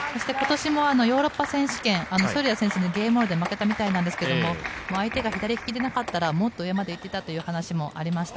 ヨーロッパ選手権ソルヤ選手にゲームで負けたみたいなんですが相手が左利きでなかったらもっと上まで行っていたという話もありました。